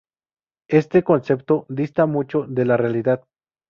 Este concepto dista mucho de la realidad.